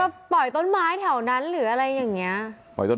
ก็ปล่อยต้นไม้แถวนั้นหรืออะไรอย่างนี้